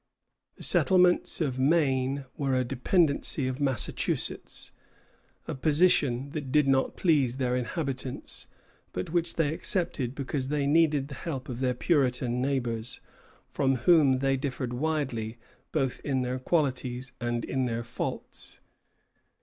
The settlements of Maine were a dependency of Massachusetts, a position that did not please their inhabitants, but which they accepted because they needed the help of their Puritan neighbors, from whom they differed widely both in their qualities and in their faults.